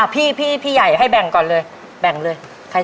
พี่ใหญ่ให้แบ่งก่อนเลยแบ่งเลย